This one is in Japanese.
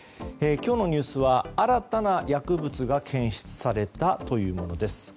今日のニュースは新たな薬物が検出されたというものです。